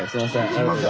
すいません。